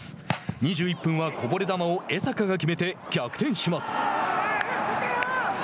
２１分はこぼれ球を江坂が決めて逆転します。